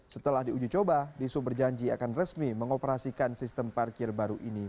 setelah di uji coba dsub berjanji akan resmi mengoperasikan sistem parkir baru ini